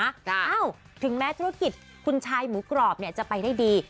เอ้าถึงแม้ธุรกิจคุณชายหมูกรอบเนี่ยจะไปได้ดี